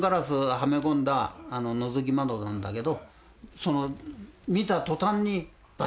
はめ込んだのぞき窓なんだけど見た途端にバシッと来たわけ。